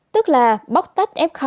tức là bóc tách f